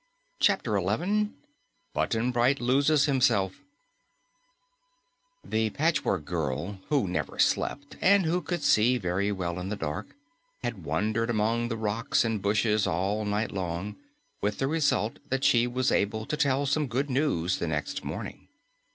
CHAPTER 11 BUTTON BRIGHT LOSES HIMSELF The Patchwork Girl, who never slept and who could see very well in the dark, had wandered among the rocks and bushes all night long, with the result that she was able to tell some good news the next morning.